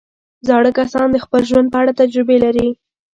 زاړه کسان د خپل ژوند په اړه تجربې لري